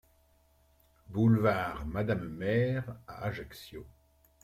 Boulevard Madame Mère à Ajaccio